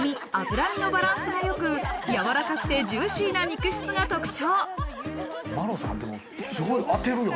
赤身、脂身のバランスが良く、やわらかくてジューシーな肉質が特徴。